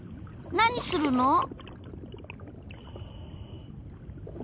何するの？